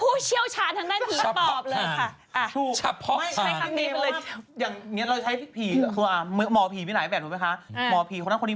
ผู้เอ็กสเปิร์ทในการจับผีปอบ